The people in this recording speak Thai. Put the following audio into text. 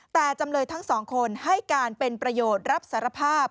แต่จำเลยทั้งสองคนให้การเป็นประโยชน์รับสารภาพ